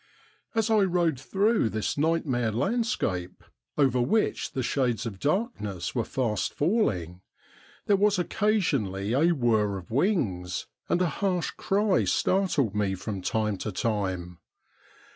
As I rode through this nightmare land scape, over which the shades of darkness were fast falling, there was occasionally a whir of wings, and a s harsh cry startled me from time to time.